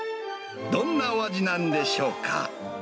どんなお味なんでしょうか。